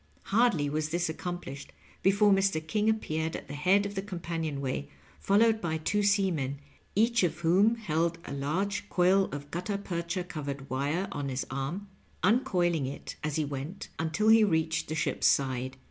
Hardly was this accomplished before Mr. King appeared at the head of the companion way, fol lowed by two seamen, each of whom held a large coil of guttarpercha covered wire on his arm, uncoiling it as he went, until he reached the ship's side.